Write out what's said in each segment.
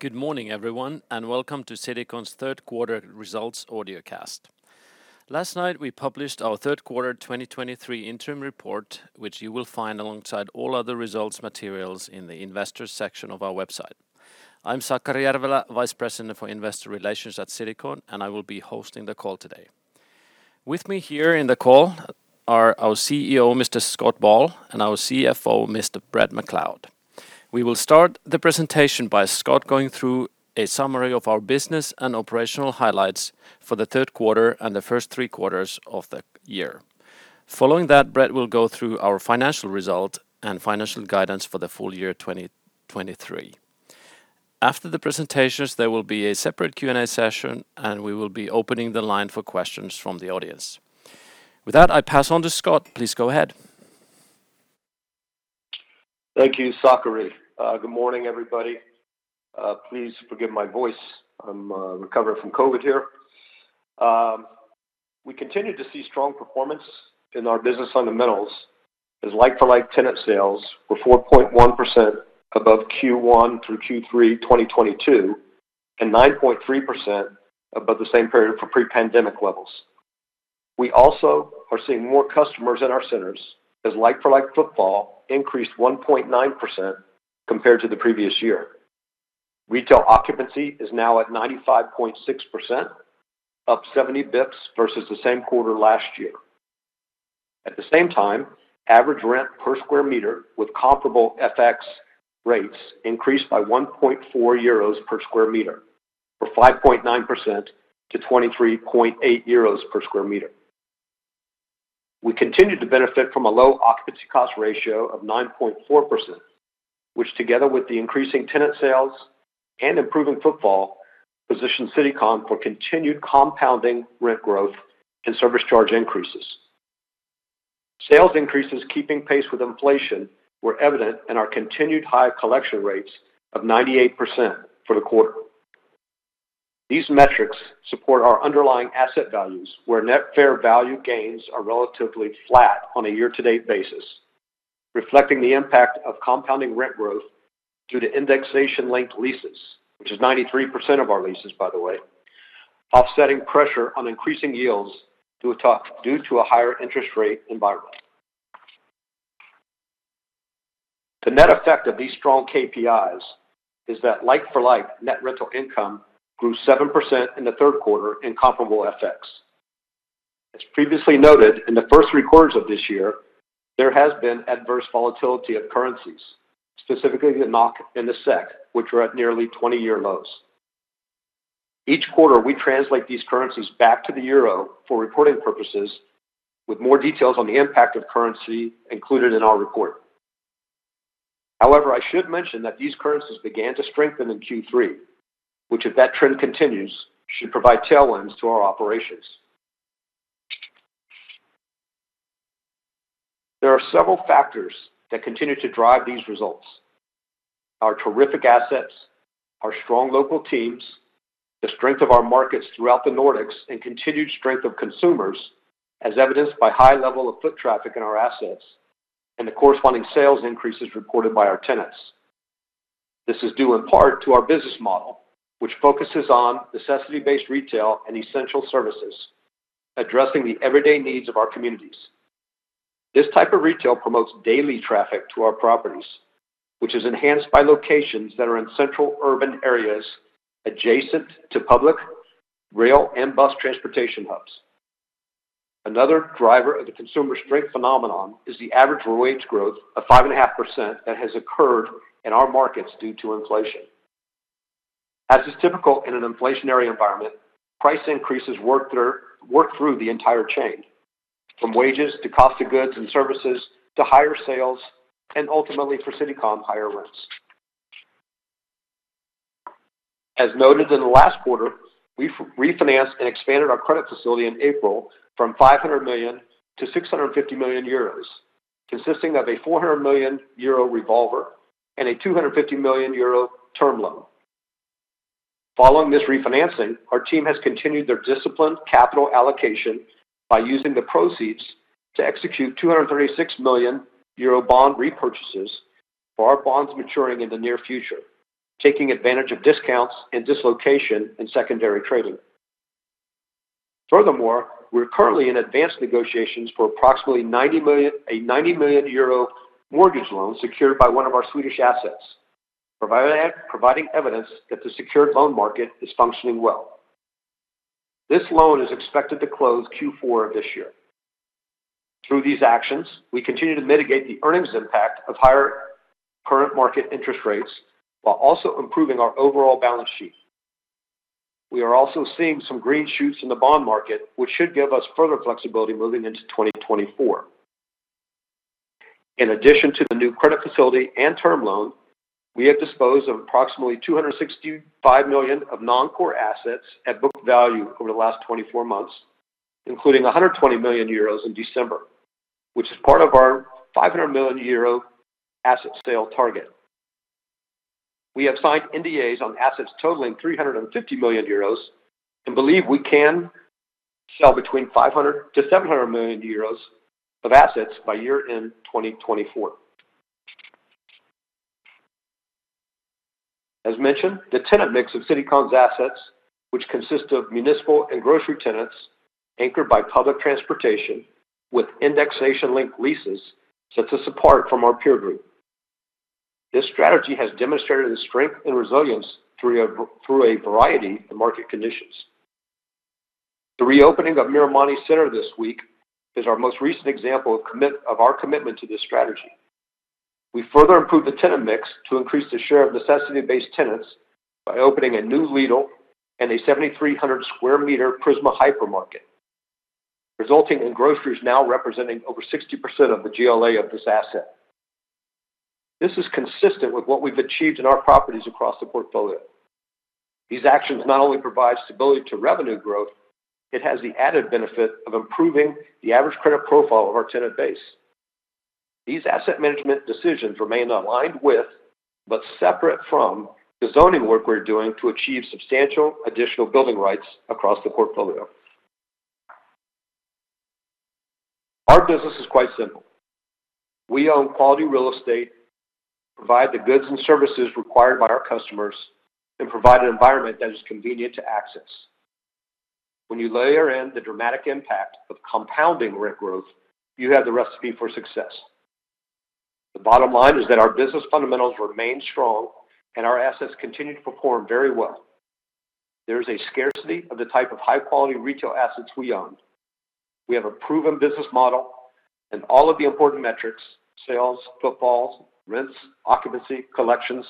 Good morning, everyone, and welcome to Citycon's Third Quarter Results Audiocast. Last night, we published our third quarter 2023 interim report, which you will find alongside all other results materials in the investors section of our website. I'm Sakari Järvelä, Vice President for Investor Relations at Citycon, and I will be hosting the call today. With me here in the call are our CEO, Mr. Scott Ball, and our CFO, Mr. Bret McLeod. We will start the presentation by Scott going through a summary of our business and operational highlights for the third quarter and the first three quarters of the year. Following that, Bret will go through our financial result and financial guidance for the full year 2023. After the presentations, there will be a separate Q&A session, and we will be opening the line for questions from the audience. With that, I pass on to Scott. Please go ahead. Thank you, Sakari. Good morning, everybody. Please forgive my voice. I'm recovering from COVID here. We continue to see strong performance in our business fundamentals as like-for-like tenant sales were 4.1% above Q1 through Q3 2022, and 9.3% above the same period for pre-pandemic levels. We also are seeing more customers in our centers as like-for-like footfall increased 1.9% compared to the previous year. Retail occupancy is now at 95.6%, up 70 basis points versus the same quarter last year. At the same time, average rent per square meter, with comparable FX rates, increased by 1.4 euros per sq m or 5.9% to 23.8 euros per sq m. We continue to benefit from a low occupancy cost ratio of 9.4%, which, together with the increasing tenant sales and improving footfall, positions Citycon for continued compounding rent growth and service charge increases. Sales increases, keeping pace with inflation, were evident in our continued high collection rates of 98% for the quarter. These metrics support our underlying asset values, where net fair value gains are relatively flat on a year-to-date basis, reflecting the impact of compounding rent growth through the indexation-linked leases, which is 93% of our leases, by the way, offsetting pressure on increasing yields, topped out due to a higher interest rate environment. The net effect of these strong KPIs is that like-for-like net rental income grew 7% in the third quarter in comparable FX. As previously noted, in the first three quarters of this year, there has been adverse volatility of currencies, specifically the NOK and the SEK, which were at nearly 20-year lows. Each quarter, we translate these currencies back to the euro for reporting purposes, with more details on the impact of currency included in our report. However, I should mention that these currencies began to strengthen in Q3, which, if that trend continues, should provide tailwinds to our operations. There are several factors that continue to drive these results: our terrific assets, our strong local teams, the strength of our markets throughout the Nordics, and continued strength of consumers, as evidenced by high level of foot traffic in our assets and the corresponding sales increases reported by our tenants. This is due in part to our business model, which focuses on necessity-based retail and essential services, addressing the everyday needs of our communities. This type of retail promotes daily traffic to our properties, which is enhanced by locations that are in central urban areas adjacent to public, rail, and bus transportation hubs. Another driver of the consumer strength phenomenon is the average wage growth of 5.5% that has occurred in our markets due to inflation. As is typical in an inflationary environment, price increases work through the entire chain, from wages to cost of goods and services, to higher sales, and ultimately, for Citycon, higher rents. As noted in the last quarter, we've refinanced and expanded our credit facility in April from 500 million-650 million euros, consisting of a 400 million euro revolver and a 250 million euro term loan. Following this refinancing, our team has continued their disciplined capital allocation by using the proceeds to execute 236 million euro bond repurchases for our bonds maturing in the near future, taking advantage of discounts and dislocation in secondary trading. Furthermore, we're currently in advanced negotiations for approximately 90 million, a 90 million euro mortgage loan secured by one of our Swedish assets, providing evidence that the secured loan market is functioning well. This loan is expected to close Q4 of this year. Through these actions, we continue to mitigate the earnings impact of higher current market interest rates while also improving our overall balance sheet. We are also seeing some green shoots in the bond market, which should give us further flexibility moving into 2024. In addition to the new credit facility and term loan, we have disposed of approximately 265 million of non-core assets at book value over the last 24 months, including 120 million euros in December, which is part of our 500 million euro asset sale target. We have signed NDAs on assets totaling 350 million euros and believe we can sell between 500 million-700 million euros of assets by year-end 2024. As mentioned, the tenant mix of Citycon's assets, which consist of municipal and grocery tenants, anchored by public transportation with indexation-linked leases, set to support from our peer group. This strategy has demonstrated a strength and resilience through a variety of market conditions. The reopening of Myyrmanni Center this week is our most recent example of our commitment to this strategy. We further improved the tenant mix to increase the share of necessity-based tenants by opening a new Lidl and a 7,300 square meter Prisma hypermarket, resulting in groceries now representing over 60% of the GLA of this asset. This is consistent with what we've achieved in our properties across the portfolio. These actions not only provide stability to revenue growth, it has the added benefit of improving the average credit profile of our tenant base. These asset management decisions remain aligned with, but separate from, the zoning work we're doing to achieve substantial additional building rights across the portfolio. Our business is quite simple. We own quality real estate, provide the goods and services required by our customers, and provide an environment that is convenient to access. When you layer in the dramatic impact of compounding rent growth, you have the recipe for success. The bottom line is that our business fundamentals remain strong, and our assets continue to perform very well. There is a scarcity of the type of high-quality retail assets we own. We have a proven business model and all of the important metrics, sales, footfalls, rents, occupancy, collections,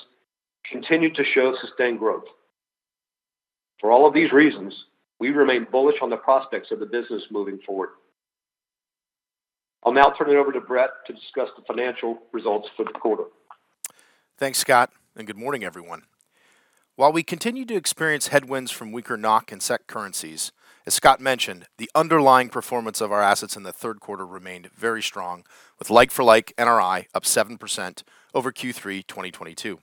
continue to show sustained growth. For all of these reasons, we remain bullish on the prospects of the business moving forward. I'll now turn it over to Bret to discuss the financial results for the quarter. Thanks, Scott, and good morning, everyone. While we continue to experience headwinds from weaker NOK and SEK currencies, as Scott mentioned, the underlying performance of our assets in the third quarter remained very strong, with like-for-like NRI up 7% over Q3, 2022.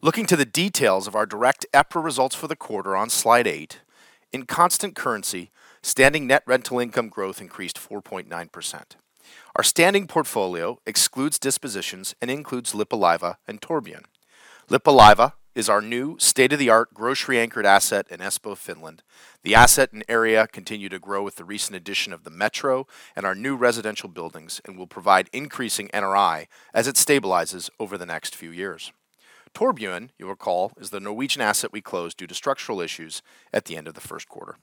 Looking to the details of our direct EPRA results for the quarter on slide eight, in constant currency, standing net rental income growth increased 4.9%. Our standing portfolio excludes dispositions and includes Lippulaiva and Torvbyen. Lippulaiva is our new state-of-the-art grocery anchored asset in Espoo, Finland. The asset and area continue to grow with the recent addition of the metro and our new residential buildings, and will provide increasing NRI as it stabilizes over the next few years. Torvbyen, you recall, is the Norwegian asset we closed due to structural issues at the end of the first quarter.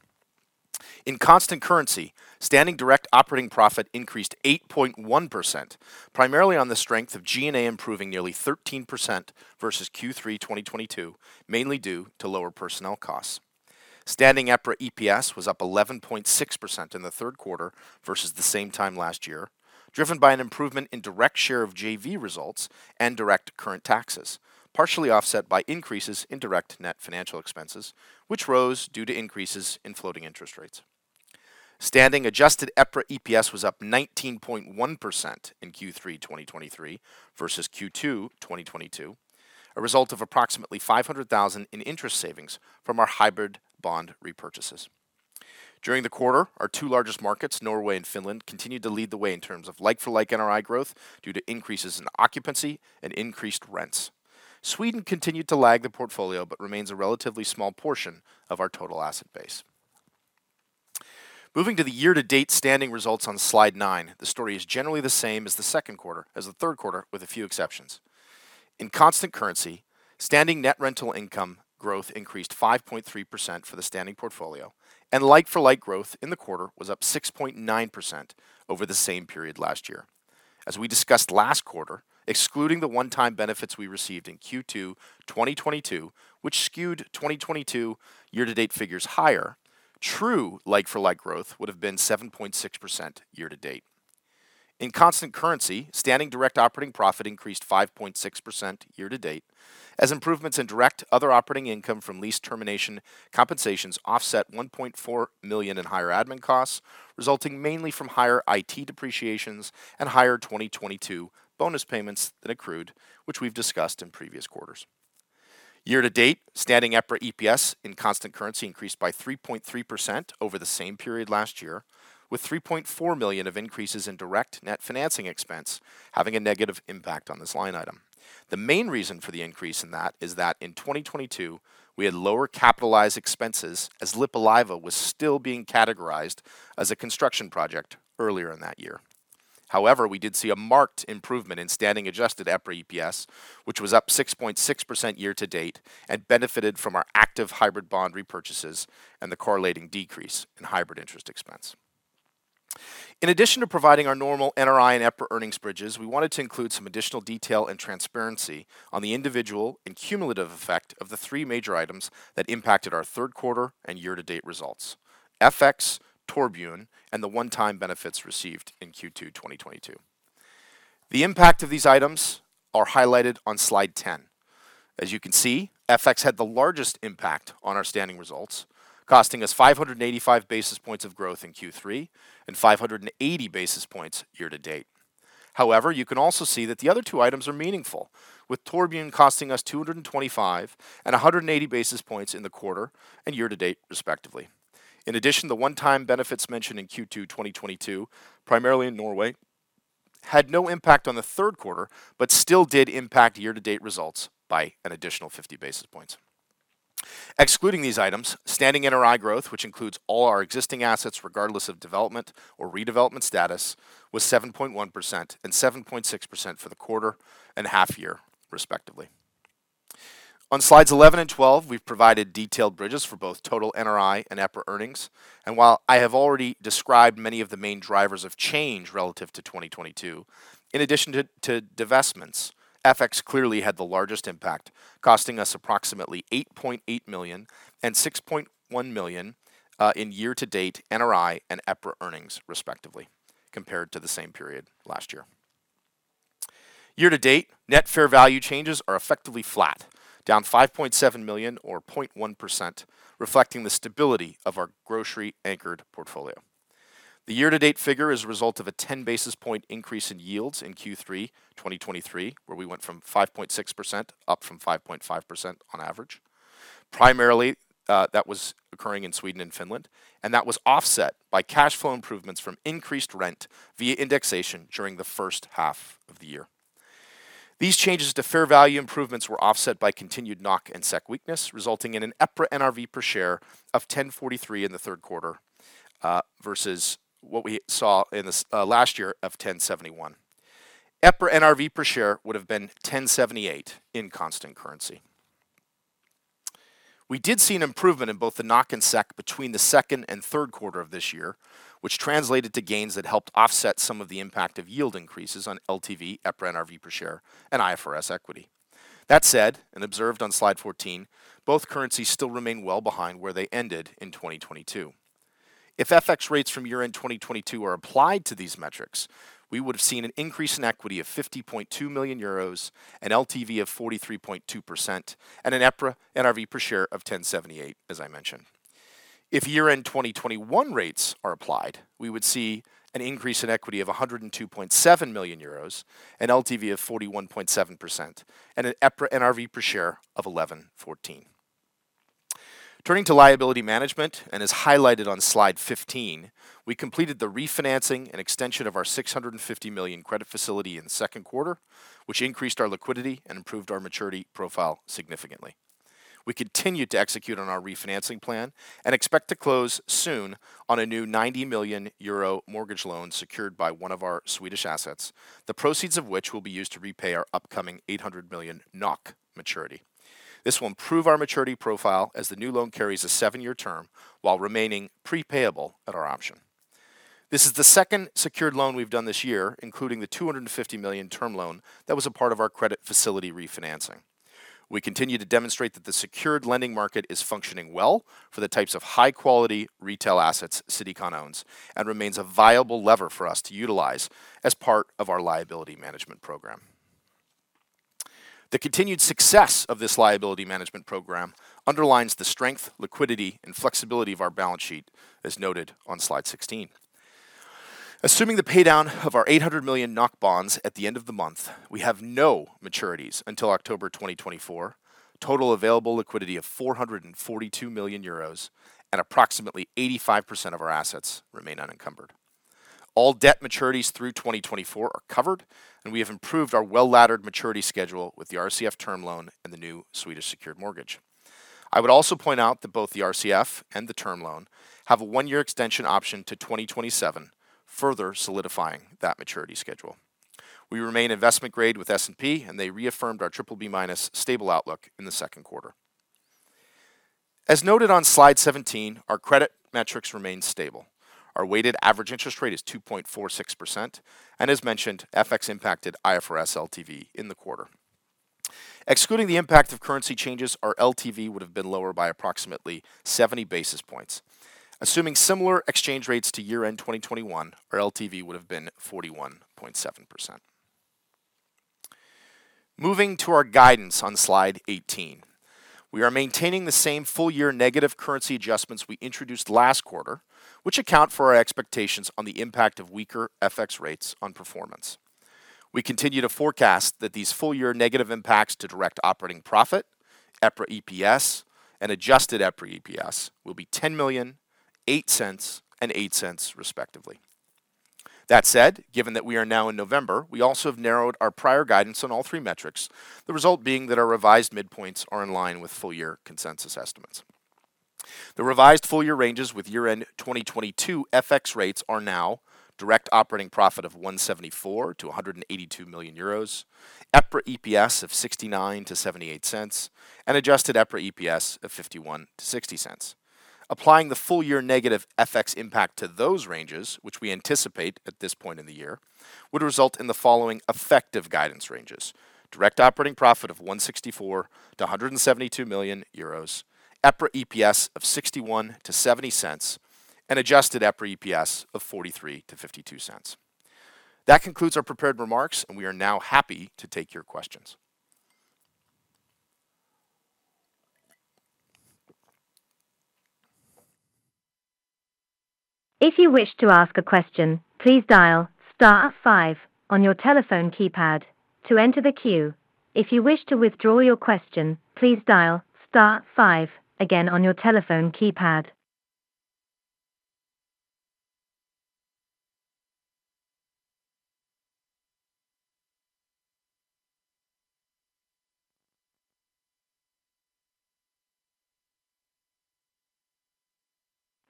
In constant currency, standing direct operating profit increased 8.1%, primarily on the strength of G&A, improving nearly 13% versus Q3 2022, mainly due to lower personnel costs. Standing EPRA EPS was up 11.6% in the third quarter versus the same time last year, driven by an improvement in direct share of JV results and direct current taxes, partially offset by increases in direct net financial expenses, which rose due to increases in floating interest rates. Standing adjusted EPRA EPS was up 19.1% in Q3 2023, versus Q2 2022, a result of approximately 500,000 in interest savings from our hybrid bond repurchases. During the quarter, our two largest markets, Norway and Finland, continued to lead the way in terms of like-for-like NRI growth due to increases in occupancy and increased rents. Sweden continued to lag the portfolio, but remains a relatively small portion of our total asset base. Moving to the year-to-date standing results on slide nine, the story is generally the same as the second quarter, as the third quarter, with a few exceptions. In constant currency, standing net rental income growth increased 5.3% for the standing portfolio, and like-for-like growth in the quarter was up 6.9% over the same period last year. As we discussed last quarter, excluding the one-time benefits we received in Q2, 2022, which skewed 2022 year-to-date figures higher, true like-for-like growth would have been 7.6% year to date. In constant currency, standing direct operating profit increased 5.6% year to date, as improvements in direct other operating income from lease termination compensations offset 1.4 million in higher admin costs, resulting mainly from higher IT depreciations and higher 2022 bonus payments that accrued, which we've discussed in previous quarters. Year to date, standing EPRA EPS in constant currency increased by 3.3% over the same period last year, with 3.4 million of increases in direct net financing expense having a negative impact on this line item. The main reason for the increase in that is that in 2022, we had lower capitalized expenses as Lippulaiva was still being categorized as a construction project earlier in that year. However, we did see a marked improvement in standing adjusted EPRA EPS, which was up 6.6% year-to-date, and benefited from our active Hybrid Bond repurchases and the correlating decrease in hybrid interest expense. In addition to providing our normal NRI and EPRA earnings bridges, we wanted to include some additional detail and transparency on the individual and cumulative effect of the three major items that impacted our third quarter and year-to-date results: FX, Torvbyen, and the one-time benefits received in Q2 2022. The impact of these items are highlighted on slide 10. As you can see, FX had the largest impact on our standing results, costing us 585 basis points of growth in Q3 and 580 basis points year-to-date.... However, you can also see that the other two items are meaningful, with Torvbyen costing us 225 and 180 basis points in the quarter and year to date, respectively. In addition, the one-time benefits mentioned in Q2 2022, primarily in Norway, had no impact on the third quarter, but still did impact year-to-date results by an additional 50 basis points. Excluding these items, standing NRI growth, which includes all our existing assets, regardless of development or redevelopment status, was 7.1% and 7.6% for the quarter and half year, respectively. On slides 11 and 12, we've provided detailed bridges for both total NRI and EPRA earnings, and while I have already described many of the main drivers of change relative to 2022, in addition to divestments, FX clearly had the largest impact, costing us approximately 8.8 million and 6.1 million in year-to-date NRI and EPRA earnings, respectively, compared to the same period last year. Year-to-date, net fair value changes are effectively flat, down 5.7 million or 0.1%, reflecting the stability of our grocery-anchored portfolio. The year-to-date figure is a result of a 10 basis points increase in yields in Q3 2023, where we went from 5.6%, up from 5.5% on average. Primarily, that was occurring in Sweden and Finland, and that was offset by cash flow improvements from increased rent via indexation during the first half of the year. These changes to fair value improvements were offset by continued NOK and SEK weakness, resulting in an EPRA NRV per share of 10.43 in the third quarter, versus what we saw in the last year of 10.71. EPRA NRV per share would have been 10.78 in constant currency. We did see an improvement in both the NOK and SEK between the second and third quarter of this year, which translated to gains that helped offset some of the impact of yield increases on LTV, EPRA NRV per share, and IFRS equity. That said, and observed on Slide 14, both currencies still remain well behind where they ended in 2022. If FX rates from year-end 2022 are applied to these metrics, we would have seen an increase in equity of 50.2 million euros, an LTV of 43.2%, and an EPRA NRV per share of 10.78, as I mentioned. If year-end 2021 rates are applied, we would see an increase in equity of 102.7 million euros, an LTV of 41.7%, and an EPRA NRV per share of 11.14. Turning to liability management, and as highlighted on Slide 15, we completed the refinancing and extension of our 650 million credit facility in the second quarter, which increased our liquidity and improved our maturity profile significantly. We continued to execute on our refinancing plan and expect to close soon on a new 90 million euro mortgage loan secured by one of our Swedish assets, the proceeds of which will be used to repay our upcoming 800 million NOK maturity. This will improve our maturity profile as the new loan carries a seven year term while remaining pre-payable at our option. This is the second secured loan we've done this year, including the 250 million term loan that was a part of our credit facility refinancing. We continue to demonstrate that the secured lending market is functioning well for the types of high-quality retail assets Citycon owns and remains a viable lever for us to utilize as part of our liability management program. The continued success of this liability management program underlines the strength, liquidity, and flexibility of our balance sheet, as noted on Slide 16. Assuming the paydown of our 800 million NOK bonds at the end of the month, we have no maturities until October 2024, total available liquidity of 442 million euros, and approximately 85% of our assets remain unencumbered. All debt maturities through 2024 are covered, and we have improved our well-laddered maturity schedule with the RCF term loan and the new Swedish secured mortgage. I would also point out that both the RCF and the term loan have a one-year extension option to 2027, further solidifying that maturity schedule. We remain investment grade with S&P, and they reaffirmed our BBB-minus stable outlook in the second quarter. As noted on Slide 17, our credit metrics remain stable. Our weighted average interest rate is 2.46%, and as mentioned, FX impacted IFRS LTV in the quarter. Excluding the impact of currency changes, our LTV would have been lower by approximately 70 basis points. Assuming similar exchange rates to year-end 2021, our LTV would have been 41.7%. Moving to our guidance on Slide 18. We are maintaining the same full-year negative currency adjustments we introduced last quarter, which account for our expectations on the impact of weaker FX rates on performance. We continue to forecast that these full-year negative impacts to direct operating profit, EPRA EPS, and adjusted EPRA EPS will be 10 million, 0.08, and 0.08, respectively. That said, given that we are now in November, we also have narrowed our prior guidance on all three metrics, the result being that our revised midpoints are in line with full-year consensus estimates. The revised full-year ranges with year-end 2022 FX rates are now direct operating profit of 174 million-182 million euros, EPRA EPS of 0.69-0.78, and adjusted EPRA EPS of 0.51-0.60. Applying the full-year negative FX impact to those ranges, which we anticipate at this point in the year, would result in the following effective guidance ranges: Direct operating profit of 164 million-172 million euros, EPRA EPS of 0.61-0.70 and adjusted EPRA EPS of 0.43-0.52. That concludes our prepared remarks, and we are now happy to take your questions. If you wish to ask a question, please dial star five on your telephone keypad to enter the queue. If you wish to withdraw your question, please dial star five again on your telephone keypad.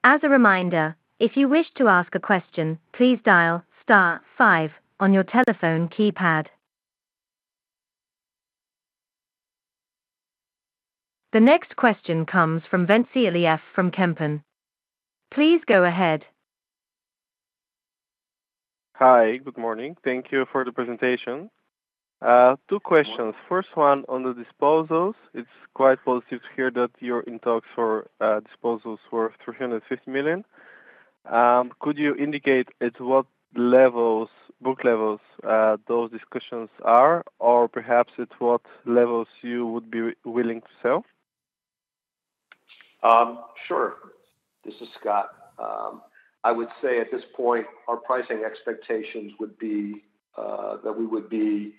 As a reminder, if you wish to ask a question, please dial star five on your telephone keypad. The next question comes from Ventsislav Iliev from Kempen & Co. Please go ahead. Hi, good morning. Thank you for the presentation. Two questions. First one on the disposals. It's quite positive to hear that you're in talks for disposals worth 350 million. Could you indicate at what levels, book levels, those discussions are, or perhaps at what levels you would be willing to sell? Sure. This is Scott. I would say at this point, our pricing expectations would be that we would be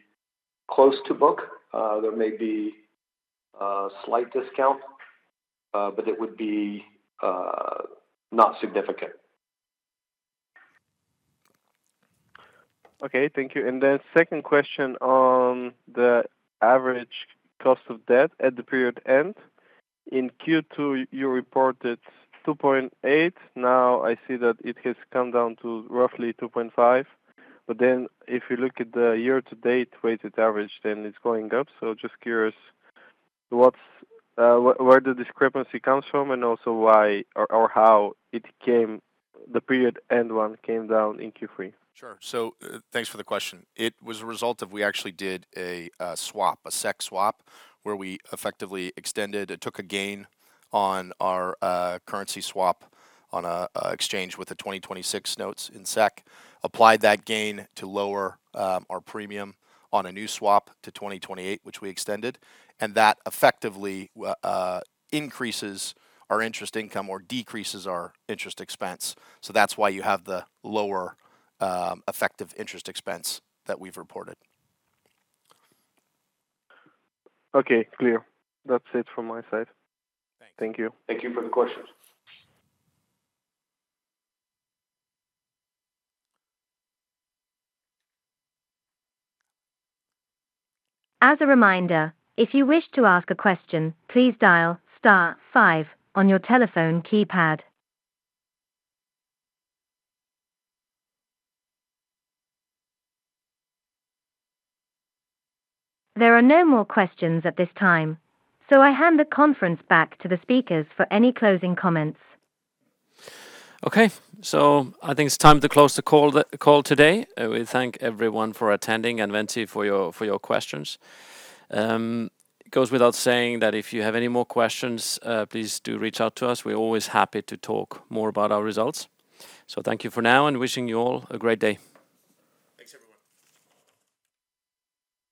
close to book. There may be a slight discount, but it would be not significant. Okay, thank you. And then second question on the average cost of debt at the period end. In Q2, you reported 2.8. Now, I see that it has come down to roughly 2.5. But then if you look at the year-to-date weighted average, then it's going up. So just curious, what's where the discrepancy comes from and also why or, or how it came the period end one came down in Q3? Sure. So thanks for the question. It was a result of we actually did a swap, a SEK swap, where we effectively extended and took a gain on our currency swap on a exchange with the 2026 notes in SEK, applied that gain to lower our premium on a new swap to 2028, which we extended, and that effectively increases our interest income or decreases our interest expense. So that's why you have the lower effective interest expense that we've reported. Okay, clear. That's it from my side. Thanks. Thank you. Thank you for the question. As a reminder, if you wish to ask a question, please dial star five on your telephone keypad. There are no more questions at this time, so I hand the conference back to the speakers for any closing comments. Okay, so I think it's time to close the call today. We thank everyone for attending and, Ventsislav, for your questions. It goes without saying that if you have any more questions, please do reach out to us. We're always happy to talk more about our results. So thank you for now, and wishing you all a great day. Thanks, everyone.